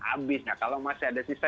habis nah kalau masih ada sisa